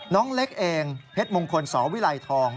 น้องเล็กเองเพชรมงคลสวิไลทอง